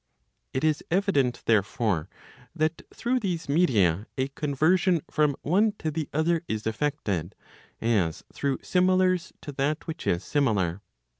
It is evident, therefore, that through these media a conver¬ sion from one to the other is effected, as through similars to that which is similar.'